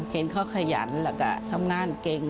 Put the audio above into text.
เห็นเขาขยันแล้วก็ทำงานเก่ง